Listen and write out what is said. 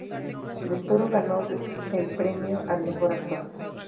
Del Toro ganó el Premio al Mejor Actor.